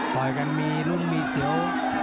ต่อยกันมีรุ้งมีเสียว